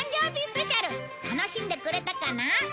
スペシャル楽しんでくれたかな？